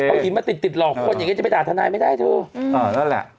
เอาหินมาติดติดหลอกคนอย่างนี้จะไปด่าทนายไม่ได้เธออ่านั่นแหละ